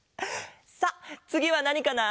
さあつぎはなにかな？